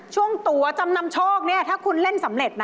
ช่วงตัวจำนำโชคนี่ถ้าคุณเล่นสำเร็จนะ